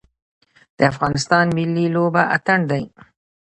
د افغانستان ملي لوبه اتن دی